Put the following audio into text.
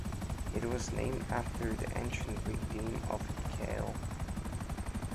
It was named after the ancient Greek deme of Hecale.